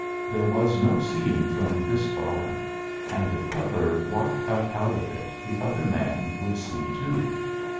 There was no seeing from this bottom, and if Cutler walked up out of it the other man would see too.